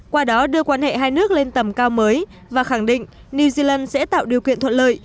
qua đó đưa quan hệ hai nước lên tầm cao mới và khẳng định new zealand sẽ tạo điều kiện thuận lợi